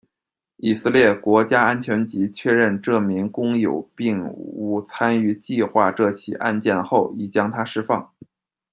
以色列国家安全局确认这名工友并无参与计画这起案件后已将他释放。